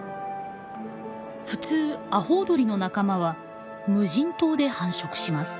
普通アホウドリの仲間は無人島で繁殖します。